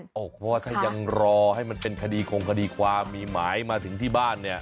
เพราะว่าถ้ายังรอให้มันเป็นคดีคงคดีความมีหมายมาถึงที่บ้านเนี่ย